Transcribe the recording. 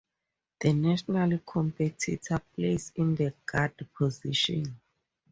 The national competitor plays in the guard position.